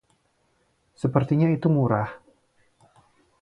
Sepertinya itu murah.